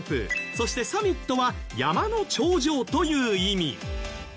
そしてサミットは山の頂上という意味。